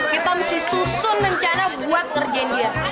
kita mesti susun rencana buat ngerjain dia